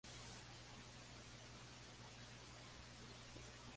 De las dos cimas, a la sur solo se puede acceder escalando.